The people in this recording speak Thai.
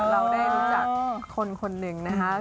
เราได้รู้จักคนคนหนึ่งนะคะ